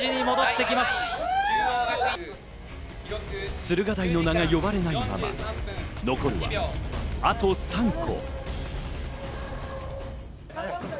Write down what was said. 駿河台の名が呼ばれぬまま残るはあと３校。